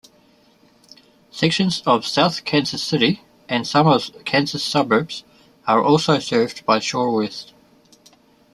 Sections of South Kansas City and some Kansas suburbs are also served by Surewest.